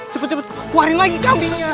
cepet cepet keluarin lagi kambingnya